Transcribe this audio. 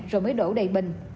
rồi mới đổ đầy bình